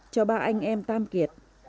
cho ba anh em tam kiệt